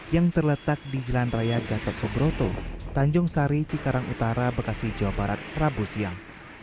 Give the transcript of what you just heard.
yang terletak di jalan raya gatot subroto tanjung sari cikarang utara bekasi jawa barat rabu siang